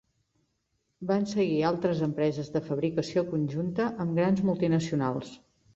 Van seguir altres empreses de fabricació conjunta amb grans multinacionals.